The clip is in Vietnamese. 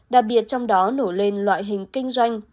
đặc biệt trong đó nổi lên loại hình kinh doanh